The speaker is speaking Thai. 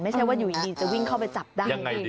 ไม่ใช่ว่าอยู่ดีจะวิ่งเข้าไปจับได้